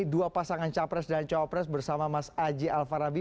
dua pasangan capres dan cawapres bersama mas aji alfarabi